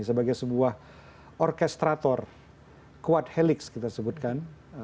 sebagai sebuah orkestrator kuat helix kita sebutkan